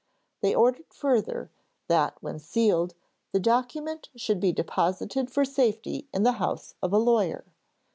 They ordered further, that when sealed, the document should be deposited for safety in the house of a lawyer.